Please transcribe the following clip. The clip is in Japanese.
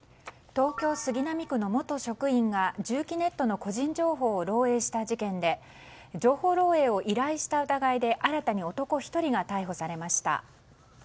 東京・杉並区の元職員が住基ネットの個人情報を漏洩した事件で情報漏洩を依頼した疑いで新たに男１人が逮捕されました。